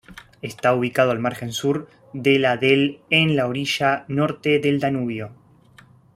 Está ubicado al margen sur de la del en la orilla norte del Danubio.